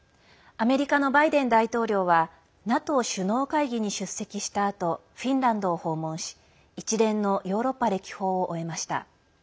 アメリカのバイデン大統領はＮＡＴＯ首脳会議に出席したあとフィンランドを訪問し一連のヨーロッパ歴訪を終えました。